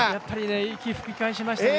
息を吹き返しましたね